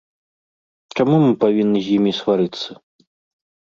Чаму мы павінны з імі сварыцца?